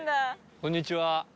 こんにちは。